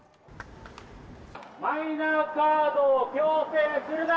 マイナカードを強制するな！